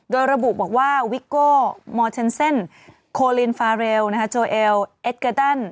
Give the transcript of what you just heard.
โดยระบุบอกว่าวิโก้มอร์เทนเซ่นโคลินฟาเรลโจเอลเอ็กเกอร์ดัน